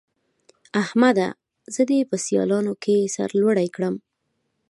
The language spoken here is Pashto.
احمده! زه دې په سيالانو کې سر لوړی کړم.